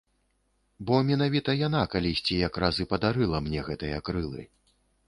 Бо менавіта яна калісьці якраз і падарыла мне гэтыя крылы.